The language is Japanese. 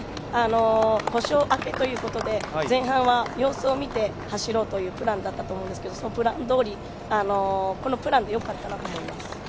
故障明けということで前半は様子を見て走るプランだったと思うんですけれども、プランどおり、このプランでよかったなと思います。